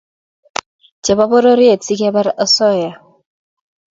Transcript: chepo pororiet sikepar osoya